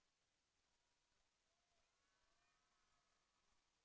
แสวได้ไงของเราก็เชียนนักอยู่ค่ะเป็นผู้ร่วมงานที่ดีมาก